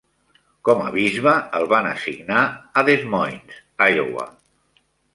Com a bisbe, el van assignar a Des Moines, Iowa.